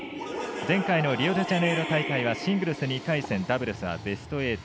前回のリオデジャネイロ大会はシングル２回戦ダブルスはベスト８。